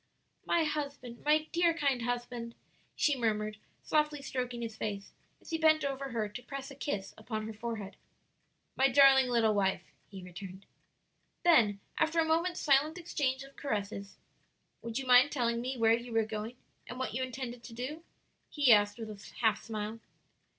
"My husband, my dear, kind husband!" she murmured, softly stroking his face as he bent over her to press a kiss upon her forehead. "My darling little wife," he returned. Then after a moment's silent exchange of caresses, "Would you mind telling me where you were going and what you intended to do?" he asked with a half smile.